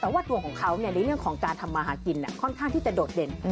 แต่ว่าตัวของเขาในเรื่องของการทำมาหากินค่อนข้างที่จะโดดเด่น